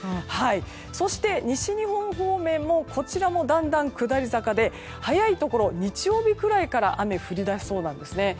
そして西日本方面もだんだん下り坂で早いところ、日曜日くらいから雨が降り出しそうなんです。